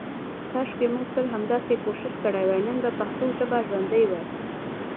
کاشکې مونږ تل همداسې کوشش کړی وای نن به پښتو ژابه ژوندی وی.